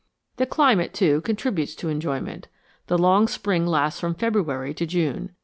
The climate, too, contributes to enjoyment. The long spring lasts from February to June.